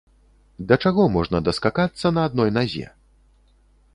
Да чаго можна даскакацца на адной назе?